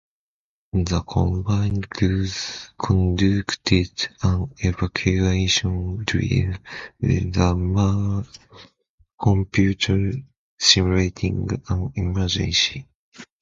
The combined crews conducted an evacuation drill, with the Mir computer simulating an emergency.